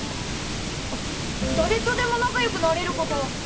あっだれとでも仲良くなれること。